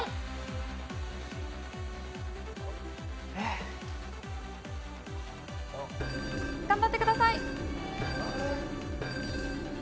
えっ？頑張ってください！